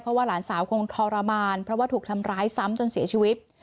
เพราะว่าหลานสาวคงทรมานเพราะว่าถูกทำร้ายซ้ำจนเสียชีวิต